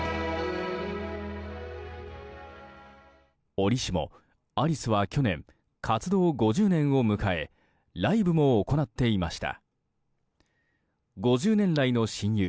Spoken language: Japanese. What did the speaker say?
折しも、アリスは去年活動５０年を迎えライブも行っていました。